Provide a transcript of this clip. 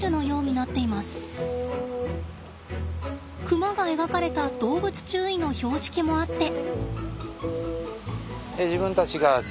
クマが描かれた動物注意の標識もあって。